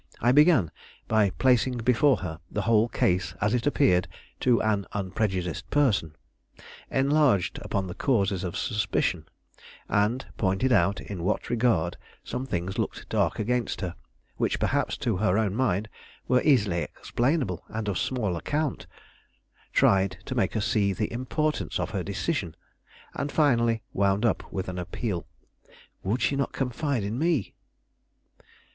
I began by placing before her the whole case as it appeared to an unprejudiced person; enlarged upon the causes of suspicion, and pointed out in what regard some things looked dark against her, which perhaps to her own mind were easily explainable and of small account; tried to make her see the importance of her decision, and finally wound up with an appeal. Would she not confide in me?